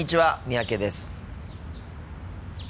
三宅です。